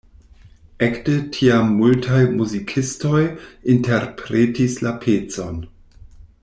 Ekde tiam multaj muzikistoj interpretis la pecon.